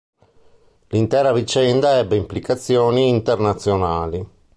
L'intera vicenda ebbe implicazioni internazionali.